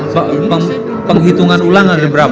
penghitungan ulang ada berapa